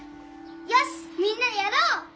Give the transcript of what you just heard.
よしみんなでやろう！